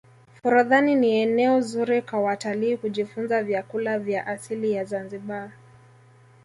forodhani ni eneo zuri kwa watalii kujifunza vyakula vya asili ya zanzibar